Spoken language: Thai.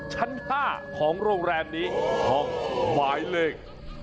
ห้องหวายเลข๕๑๐